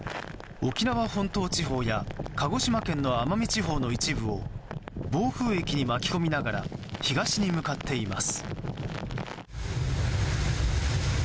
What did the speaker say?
沖縄本島地方や鹿児島県の奄美地方の一部を暴風域に巻き込みながら東に向かっています。